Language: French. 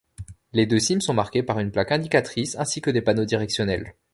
Les deux cimes sont marquées par une plaque indicatrice, ainsi que des panneaux directionnels.